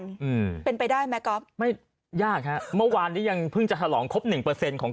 อืมเป็นไปได้ไหมก๊อฟไม่ยากฮะเมื่อวานนี้ยังเพิ่งจะฉลองครบหนึ่งเปอร์เซ็นต์ของ